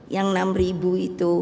yang enam ribu itu